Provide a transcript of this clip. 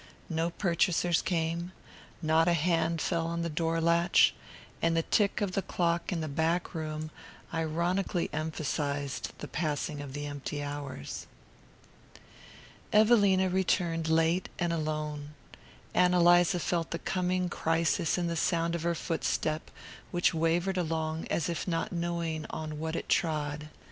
No purchasers came; not a hand fell on the door latch; and the tick of the clock in the back room ironically emphasized the passing of the empty hours. Evelina returned late and alone. Ann Eliza felt the coming crisis in the sound of her footstep, which wavered along as if not knowing on what it trod.